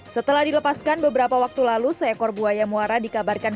setelah dilepaskan beberapa waktu lalu seekor buaya muara dikabarkan